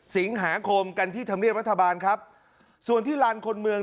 สิงหาคมกันที่ธรรมเนียบรัฐบาลครับส่วนที่ลานคนเมือง